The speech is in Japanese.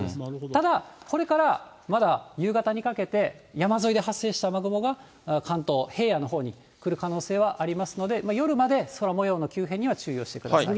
ただ、これからまだ夕方にかけて、山沿いで発生した雨雲が関東平野のほうに来る可能性はありますので、夜まで空もようの急変には注意をしてください。